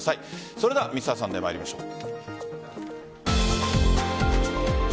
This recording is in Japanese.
それでは「Ｍｒ．サンデー」参りましょう。